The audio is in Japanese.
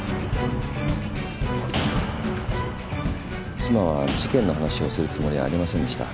妻は事件の話をするつもりはありませんでした。